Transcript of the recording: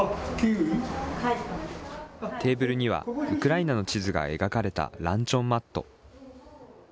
テーブルにはウクライナの地図が描かれたランチョンマット。